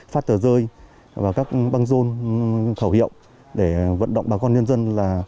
phát tờ rơi và các băng rôn khẩu hiệu để vận động bà con nhân dân